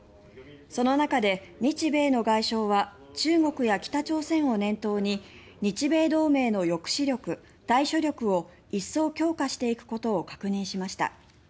その中で日米の外相は中国や北朝鮮を念頭に日米同盟の抑止力、対処力を一層強化していくことを確認しました。